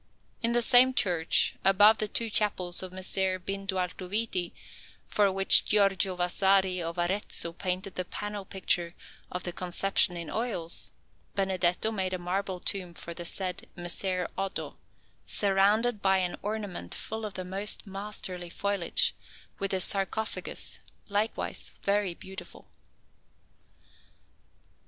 In the same church, above the two chapels of Messer Bindo Altoviti, for which Giorgio Vasari of Arezzo painted the panel picture of the Conception in oils, Benedetto made a marble tomb for the said Messer Oddo, surrounded by an ornament full of most masterly foliage, with a sarcophagus, likewise very beautiful.